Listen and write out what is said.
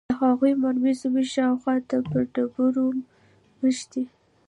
د هغوى مرمۍ زموږ شاوخوا ته پر ډبرو مښتې.